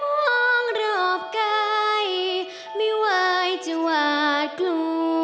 ห้องรอบใกล้ไม่ไหวจะหวาดกลัว